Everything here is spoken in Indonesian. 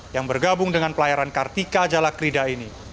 yang bergabung dengan pelayaran kartika jalakrida ini